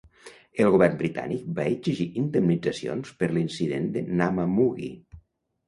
El govern britànic va exigir indemnitzacions per l'incident de Namamugi.